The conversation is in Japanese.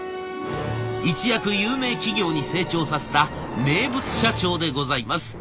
一躍有名企業に成長させた名物社長でございます。